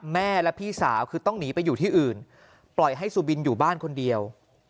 แม่และพี่สาวคือต้องหนีไปอยู่ที่อื่นปล่อยให้สุบินอยู่บ้านคนเดียว